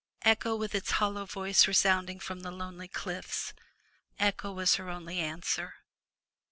Echo with its hollow voice resounding from the lonely cliffs, — echo was her only answer.